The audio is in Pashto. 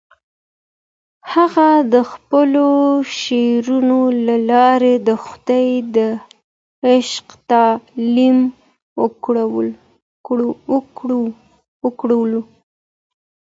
هغه د خپلو شعرونو له لارې د خدای د عشق تعلیم ورکولو.